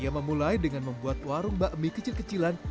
ia memulai dengan membuat warung bakmi kecil kecilan